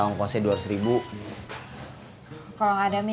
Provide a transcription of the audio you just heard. orang keras ga lihat